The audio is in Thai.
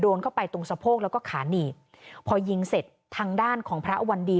โดนเข้าไปตรงสะโพกแล้วก็ขาหนีบพอยิงเสร็จทางด้านของพระวันดี